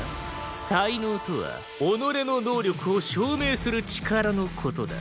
才能とは己の能力を証明する力の事だ。